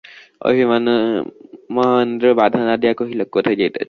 অভিমানী মহেন্দ্র বাধা না দিয়া কহিল, কোথায় যাইতেছ।